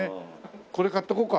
これ買っとこうか。